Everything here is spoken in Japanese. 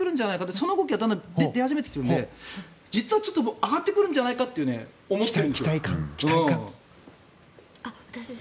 その動きがだんだん出始めてきているので実はちょっと上がってくるんじゃないかと思っているんです。